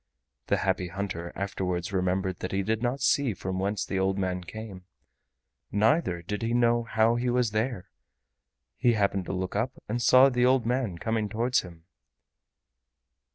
The Happy Hunter afterwards remembered that he did not see from whence the old man came, neither did he know how he was there—he happened to look up and saw the old man coming towards him.